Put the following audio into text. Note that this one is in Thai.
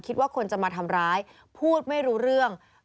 คิดว่าคนจะมาทำร้ายพูดไม่รู้เรื่อง